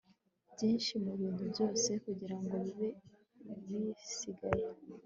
byinshi mubintu byose kugirango bibe bisigaye